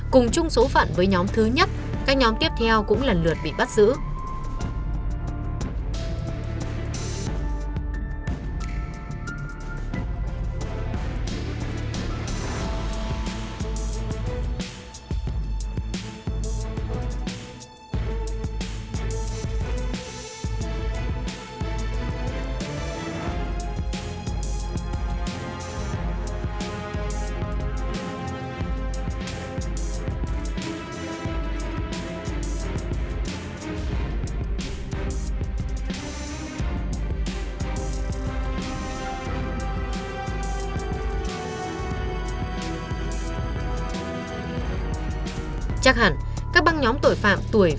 cùng chung số phận với nhóm thứ nhất các nhóm tiếp theo cũng lần lượt bị bắt giữ